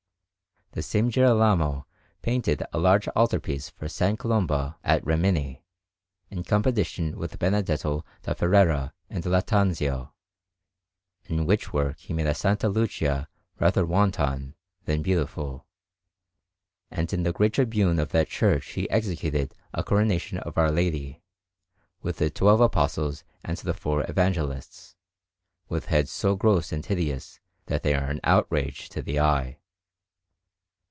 The same Girolamo painted a large altar piece for S. Colomba at Rimini, in competition with Benedetto da Ferrara and Lattanzio, in which work he made a S. Lucia rather wanton than beautiful. And in the great tribune of that church he executed a Coronation of Our Lady, with the twelve Apostles and the four Evangelists, with heads so gross and hideous that they are an outrage to the eye.